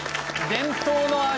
伝統の味